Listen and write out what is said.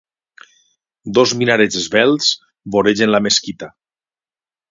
Dos minarets esvelts voregen la mesquita.